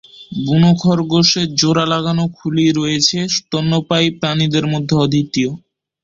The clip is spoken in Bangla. বুনো খরগোশের জোড়া লাগানো খুলি রয়েছে, স্তন্যপায়ী প্রাণীদের মধ্যে অদ্বিতীয়।